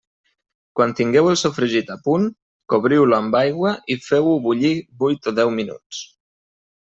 Quan tingueu el sofregit a punt, cobriu-lo amb aigua i feu-ho bullir vuit o deu minuts.